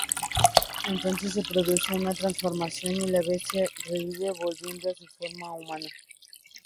Entonces se produce una transformación y la Bestia revive volviendo a su forma humana.